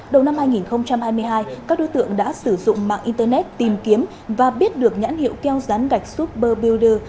đầu năm hai nghìn hai mươi hai các đối tượng đã sử dụng mạng internet tìm kiếm và biết được nhãn hiệu keo rán gạch super builder